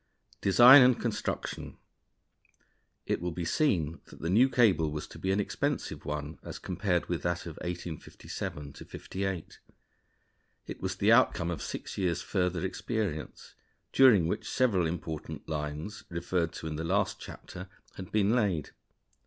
Design and Construction. It will be seen that the new cable was to be an expensive one as compared with that of 1857 '58. It was the outcome of six years' further experience, during which several important lines, referred to in the last chapter, had been laid.